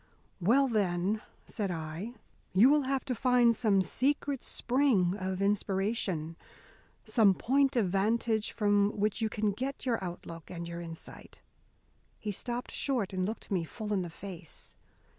"Well, then," said I, "you will have to find some secret spring of inspiration, some point of vantage from which you can get your outlook and your insight." He stopped short and looked me full in the face.